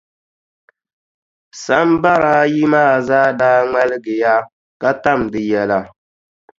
Sambara ayi maa zaa daa ŋmaligiya, ka tam di yɛla.